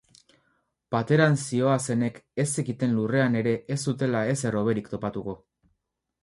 Pateran zihoazenek ez zekiten lurrean ere ez zutela ezer hoberik topatuko.